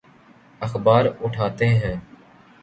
اخبار اٹھاتے ہیں۔